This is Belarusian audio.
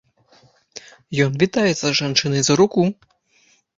Ён вітаецца з жанчынай за руку.